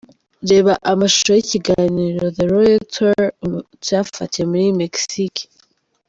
Reba amashusho y’ikiganiro ’The Royal Tour’ cyafatiwe muri Mexique.